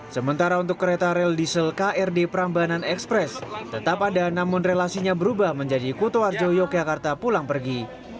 sementara untuk kereta rel diesel krd prambanan ekspres tetap ada namun relasinya berubah menjadi kutoarjo yogyakarta pulang pergi